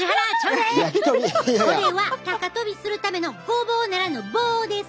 これは高跳びするための「ごぼう」ならぬ「棒」です！